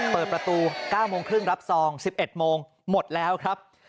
เปิดประตู๙โมงครึ่งรับซอง๑๑โมงหมดแล้วครับ